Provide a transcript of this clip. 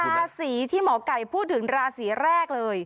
ราศีที่หมอไก่พูดถึงราศีแรกเลย